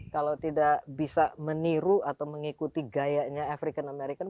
kalau tidak bisa meniru atau mengikuti gayanya african american